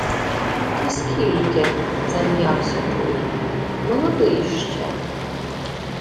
— Та скільки? — зам'явся той. — Молодий ще...